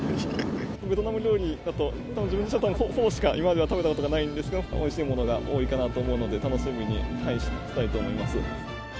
ベトナム料理だと、たぶん自分自身はフォーしか食べたことがないんですが、おいしいものが多いかなと思うので楽しみにしたいと思います。